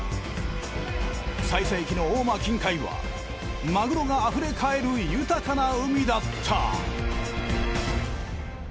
最盛期の大間近海はマグロがあふれ返る豊かな海だった。